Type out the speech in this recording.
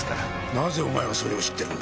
なぜお前がそれを知ってるんだ？